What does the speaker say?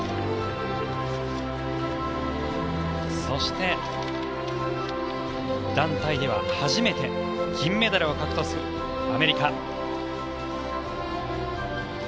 そして団体では初めて銀メダルを獲得するアメリカ。